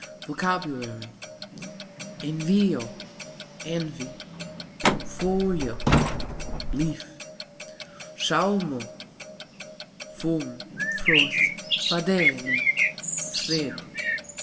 VOCABULARY. envio : envy. folio : leaf. sxauxmo : foam, froth. fadeno : thread.